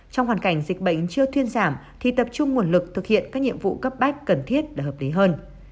trong hoàn cảnh dịch bệnh chưa thuyên giảm thì tập trung nguồn lực thực hiện các nhiệm vụ cấp bách cần thiết để hợp lý hơn